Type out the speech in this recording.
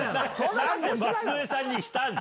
何で舛添さんにしたんだ！